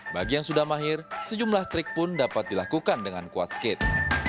bagi yang sudah mahir sejumlah trik pun dapat dilakukan dengan quad skate